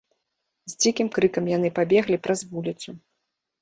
З дзікім крыкам яны пабеглі праз вуліцу.